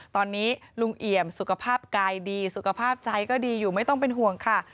ตอนนี้ลุงเอี่ยมสุขภาพกายดีสุขภาพใจก็ดีอยู่ไม่ต้องเป็นห่วงค่ะ